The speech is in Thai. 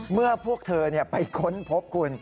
เมื่อพวกเธอไปค้นพบคุณ